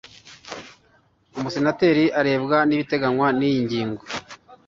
umusenateri arebwa n'ibiteganywa n'iyi ngingo